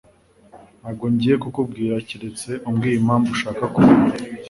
Ntabwo ngiye kukubwira keretse umbwiye impamvu ushaka kumenya.